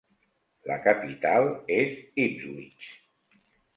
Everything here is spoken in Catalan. La capital és Ipswich.